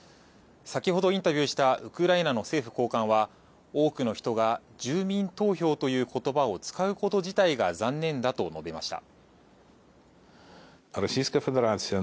先ほどインタビューしたウクライナの政府高官は多くの人が住民投票という言葉を使うこと自体が残念だと述べました。